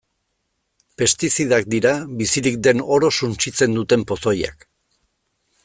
Pestizidak dira bizirik den oro suntsitzen duten pozoiak.